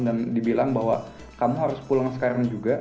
dan dibilang bahwa kamu harus pulang sekarang juga